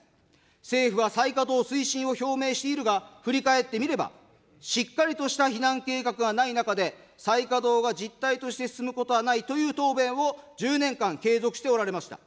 政府は再稼働推進を表明しているが、振り返ってみれば、しっかりとした避難計画がない中で、再稼働が実態として進むことはないという答弁を１０年間継続しておられました。